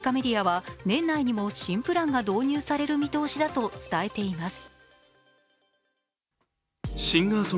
アメリカメディアは、年内にも新プランが導入される見通しだと伝えています。